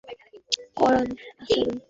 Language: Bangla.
এবং আপনার রহমতের স্বাদ আস্বাদন করান!